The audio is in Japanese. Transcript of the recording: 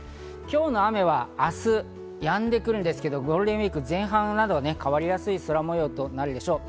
今日の雨は明日やんでくるんですけど、ゴールデンウイーク前半など変わりやすい空模様となるでしょう。